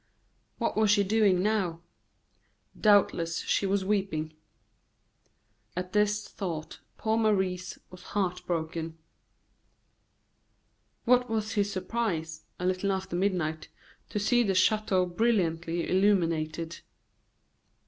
What was she doing now? Doubtless she was weeping. At this thought poor Maurice was heartbroken. What was his surprise, a little after midnight, to see the chateau brilliantly illuminated.